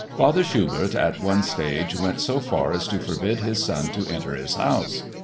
Father Schubert at one stage went so far as to forbid his son to enter his house.